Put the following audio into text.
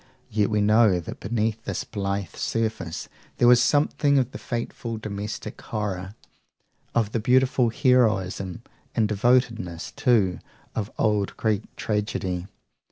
Yet we know that beneath this blithe surface there was something of the fateful domestic horror, of the beautiful heroism and devotedness too, of old Greek tragedy.